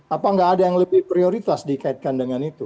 apa nggak ada yang lebih prioritas dikaitkan dengan itu